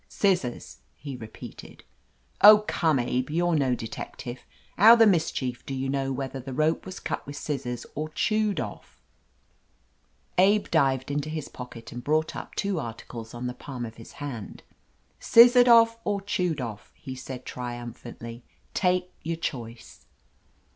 "Scissors!" he repeated. "Oh, come, Abe, you're no detective. How the mischief do you know whether the rope was cut with scissors or chewed off ?" Abe dived into his pocket and brought up two articles on the palm of his hand. "Scissored off or chewed off," he said tri umphantly. "Take your choice."